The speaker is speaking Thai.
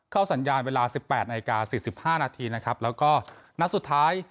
เข้าสัญญาณเวลาสิบแปดในอายการสี่สิบห้านาทีนะครับแล้วก็นัดสุดท้าย